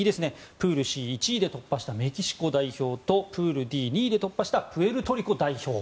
プールＣ１位で突破したメキシコ代表とプールＤ２位で突破したプエルトリコ代表。